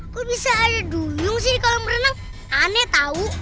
kok bisa ada duyung sih di kolam renang aneh tau